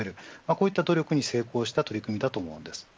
こういった努力に成功した取り組みだと思います。